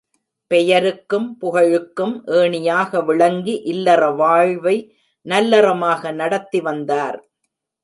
பெயருக்கும், புகழுக்கும் ஏணியாக விளங்கி இல்லற வாழ்வை நல்லறமாக நடத்தி வந்தார்.